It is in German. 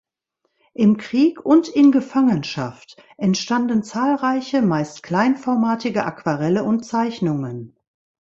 Im Krieg und in Gefangenschaft entstanden zahlreiche, meist kleinformatige Aquarelle und Zeichnungen.